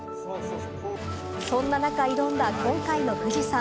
そんな中、挑んだ今回の富士山。